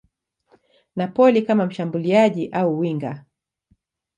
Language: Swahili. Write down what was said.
Napoli kama mshambuliaji au winga.